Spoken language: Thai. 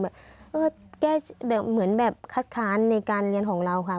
แล้วก็แก้แบบเหมือนแบบคัดค้านในการเรียนของเราค่ะ